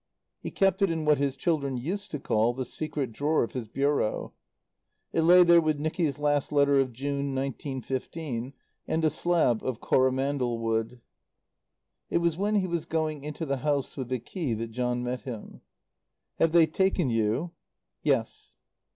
He kept it in what his children used to call the secret drawer of his bureau. It lay there with Nicky's last letter of June, 1915, and a slab of coromandel wood. It was when he was going into the house with the key that John met him. "Have they taken you?" "Yes."